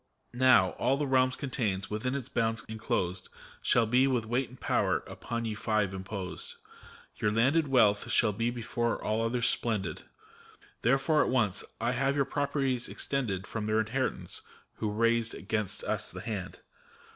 Nowy all the realm contains, within its bounds enclosed, Shall be, with weight and power, upon Ye Five im posed! Your landed wealth shall be before all others splendid ; Therefore at once have I your properties extended From their inheritance, who raised 'gainst us the hand.